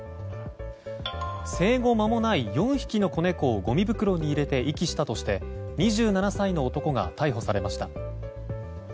生後まもない４匹の子猫をごみ袋に入れて遺棄したとして２７歳の男が逮捕されました。